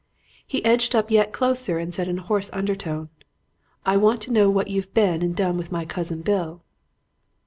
"He edged up yet closer and said in a hoarse undertone, 'I want to know what you've been and done with my cousin Bill.'